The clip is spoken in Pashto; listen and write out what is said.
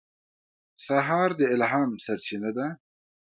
سهار د الهام سرچینه ده.